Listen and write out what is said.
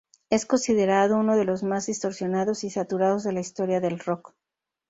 Es considerado uno de los más distorsionados y saturados de la historia del rock.